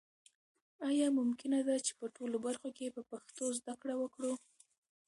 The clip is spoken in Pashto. آیا ممکنه ده چې په ټولو برخو کې په پښتو زده کړه وکړو؟